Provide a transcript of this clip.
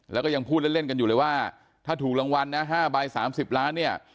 แล้วก็ยังพูดเล่นกันอยู่เลยว่าถ้าถูกรางวัลนะ๕ใบ๓๐ล้านเนี่ย